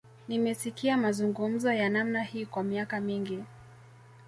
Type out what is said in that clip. Nimesikia mazungumzo ya namna hii kwa miaka mingi